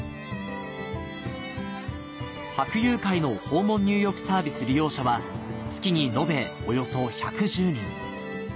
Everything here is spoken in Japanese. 博友会の訪問入浴サービス利用者は月に延べおよそ１１０人